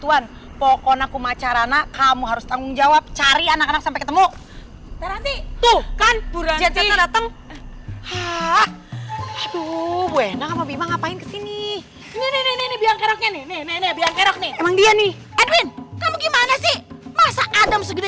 hai ayo ikut nenek kamu harus gabung sama teman teman kamu